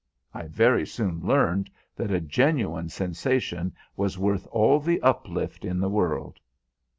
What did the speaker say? I very soon learned that a genuine sensation was worth all the uplift in the world."